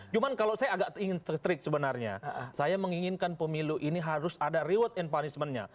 cuma kalau saya agak ingin trik sebenarnya saya menginginkan pemilu ini harus ada reward and punishment nya